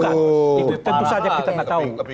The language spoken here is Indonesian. itu tentu saja kita gak tau